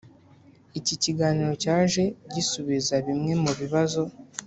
Iki kiganiro cyaje gisubiza bimwe mu bibazo